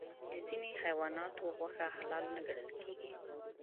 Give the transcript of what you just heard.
د ځینې حیواناتو غوښه حلال نه ګڼل کېږي.